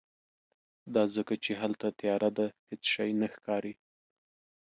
دا ځکه چې هلته تیاره ده، هیڅ شی نه ښکاری